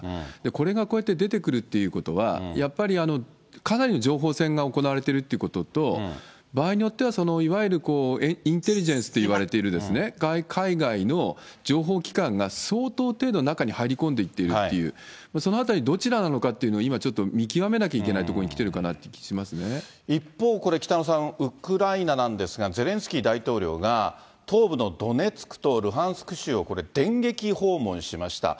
これがこうやって出てくるっていうことは、やっぱり、かなりの情報戦が行われているということと、場合によっては、いわゆるインテリジェンスといわれている海外の情報機関が相当程度、中に入り込んでいっているという、そのあたり、どちらなのかというのを今、ちょっと見極めなきゃいけないところに来ているかなっていう気が一方、これ、北野さん、ウクライナなんですが、ゼレンスキー大統領が、東部のドネツクとルハンシク州を電撃訪問しました。